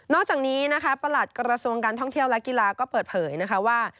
นอกจากนี้ประหลัดกรสวงการท่องเที่ยวและกีฬาก็เปิดเผยว่า